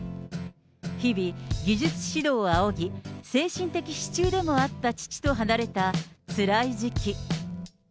日々、技術指導を仰ぎ、精神的支柱でもあった父と離れたつらい時期。